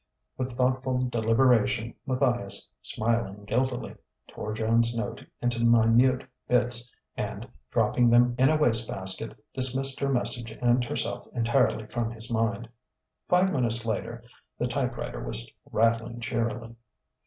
With thoughtful deliberation Matthias (smiling guiltily) tore Joan's note into minute bits and, dropping them in a waste basket, dismissed her message and herself entirely from his mind. Five minutes later the typewriter was rattling cheerily.